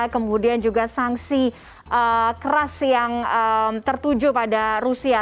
kemudian juga sanksi keras yang tertuju pada rusia